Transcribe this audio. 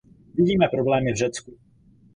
Vidíme problémy v Řecku.